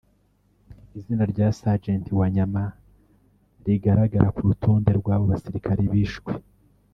Izina rya Sgt Wanyama rigaragara ku rutonde rw’ abo basirikare bishwe